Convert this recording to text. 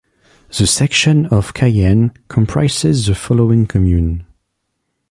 The section of Cayenne comprises the following commune.